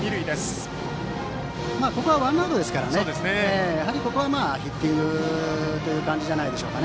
ワンアウトですからここはヒッティングという感じじゃないでしょうか。